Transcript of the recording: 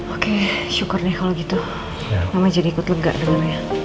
oke syukur nih kalau gitu mama jadi ikut lega dulu ya